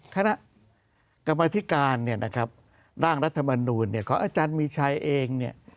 คณะกรรมธิการเนี่ยนะครับร่างรัฐมนูลเนี่ยของอาจารย์มีชัยเองเนี่ย